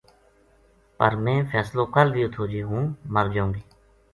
پر میں فیصلو کر لیو تھو جے ہوں مر جاؤں گی